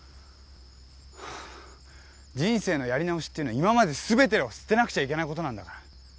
はぁ人生のやり直しっていうのは今まですべてを捨てなくちゃいけないことなんだから。